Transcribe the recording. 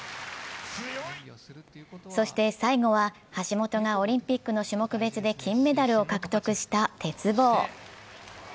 そして最後は、橋本がオリンピックの種目別で金メダルを獲得した鉄棒。